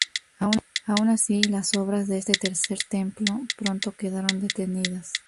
Aun así, las obras de este tercer templo pronto quedaron detenidas.